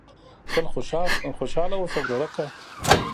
تل خوشاله اوسه ورورکه !